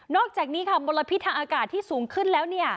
อกจากนี้ค่ะมลพิษทางอากาศที่สูงขึ้นแล้ว